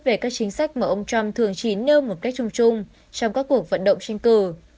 về các chính sách mà ông trump thường chỉ nêu một cách chung chung trong các cuộc vận động tranh cử